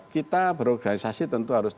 kita berorganisasi tentu harus